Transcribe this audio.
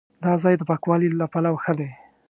دا ځای د پاکوالي له پلوه ښه دی.